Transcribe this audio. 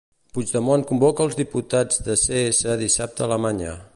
Puigdemont convoca els diputats de Cs dissabte a Alemanya.